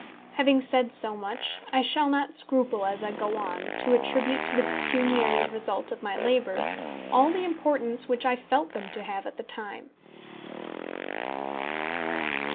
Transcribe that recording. Having said so much, I shall not scruple as I go on to attribute to the pecuniary result of my labours all the importance which I felt them to have at the time.